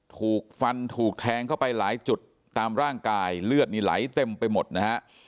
ถูกฟันถูกแทงเข้าไปหลายจุดตามร่างกายเลือดนี่ไหลเต็มไปหมดนะฮะ